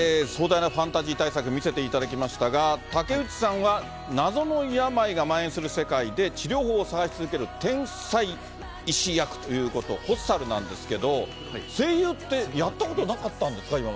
壮大なファンタジー大作、見せていただきましたが、竹内さんは謎の病がまん延する世界で、治療法を探し続ける天才医師役ということ、ホッサルなんですけど、声優って、やったことなかったんですか？